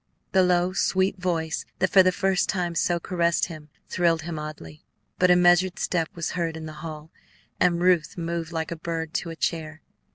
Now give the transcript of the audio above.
The low, sweet voice that for the first time so caressed him thrilled him oddly; but a measured step was heard in the hall, and Ruth moved like a bird to a chair.